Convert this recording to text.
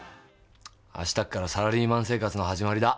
明日からサラリーマン生活の始まりだ。